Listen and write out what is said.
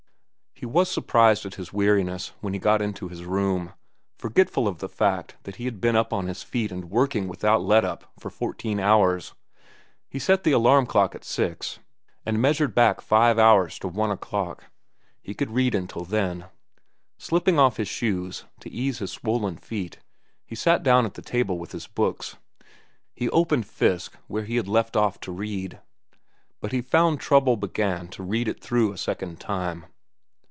He was surprised at his weariness when he got into his room, forgetful of the fact that he had been on his feet and working without let up for fourteen hours. He set the alarm clock at six, and measured back five hours to one o'clock. He could read until then. Slipping off his shoes, to ease his swollen feet, he sat down at the table with his books. He opened Fiske, where he had left off to read. But he found trouble and began to read it through a second time.